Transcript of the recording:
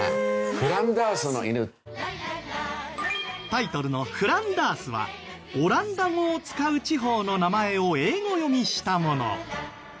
タイトルの『フランダース』はオランダ語を使う地方の名前を英語読みしたもの。